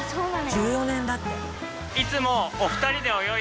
１４年だって。